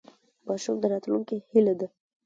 ماشومان د راتلونکي هیله ده.